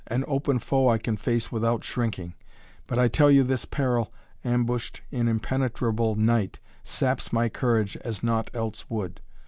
An open foe I can face without shrinking, but I tell you this peril, ambushed in impenetrable night, saps my courage as naught else would.